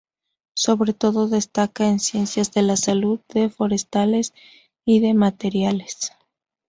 Sobre todo destaca en ciencias de la salud, de forestales y de materiales.